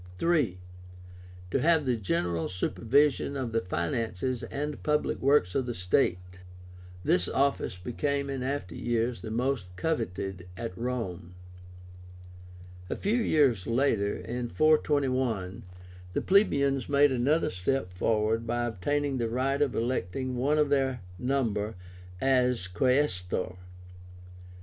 III. To have the general supervision of the finances and public works of the state. This office became in after years the most coveted at Rome. A few years later, in 421, the plebeians made another step forward by obtaining the right of electing one of their number as Quaestor.